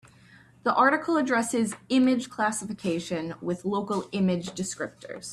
The article addresses image classification with local image descriptors.